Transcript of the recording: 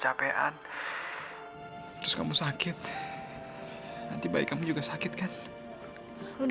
jangan sampai jatuh